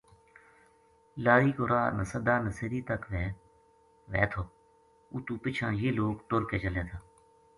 لاری کو راہ نَسدا نسیری تک وھے تھو اُتو پِچھاں یہ لوک ٹُر کے چلے تھا